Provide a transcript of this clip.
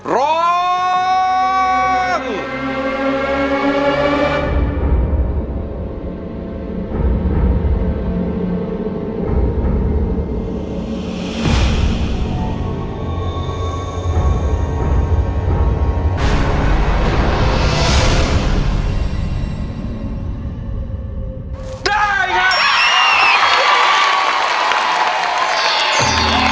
ร้องได้ร้องได้